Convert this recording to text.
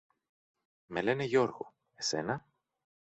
Με λένε Γιώργο. Εσένα;